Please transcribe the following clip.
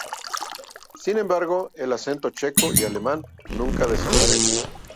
Sin embargo, el acento checo y alemán nunca desaparece.